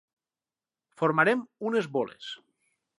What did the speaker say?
Formarem unes boles.